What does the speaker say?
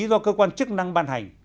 do cơ quan chức năng ban hành